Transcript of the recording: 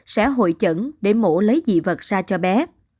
sẽ hội chẩn để mổ lấy dị vật ra cho bé